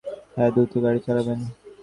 হ্যাঁ, দ্রুত গাড়ি চালাবেন।